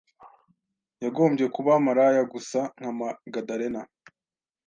yagombye kuba maraya Gusa nka Magadalen